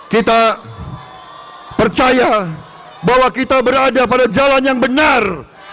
kita percaya bahwa kita berada pada jalan yang benar